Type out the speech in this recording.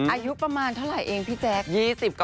อายุประมาณเท่าไหร่เองพี่แจ๊ค